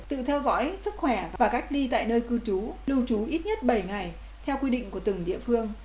tự theo dõi sức khỏe và cách ly tại nơi cư trú lưu trú ít nhất bảy ngày theo quy định của từng địa phương